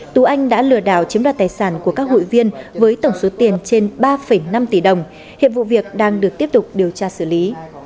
tú anh đã lừa đảo chiếm đoạt tài sản của các hội viên với tổng số tiền trên ba năm tỷ đồng hiện vụ việc đang được tiếp tục điều tra xử lý